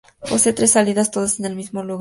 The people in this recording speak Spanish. Posee tres salidas todas en el mismo lugar.